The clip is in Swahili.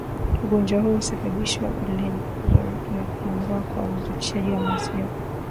Ugonjwa huu husababisha ulaji kuzorota na kupungua kwa uzalishaji wa maziwa